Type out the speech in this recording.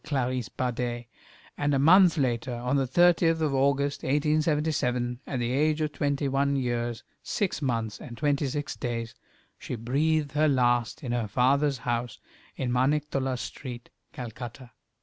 Clarisse Bader, and a month later, on the 30th of August, 1877, at the age of twenty one years, six months, and twenty six days, she breathed her last in her father's house in Maniktollah Street, Calcutta.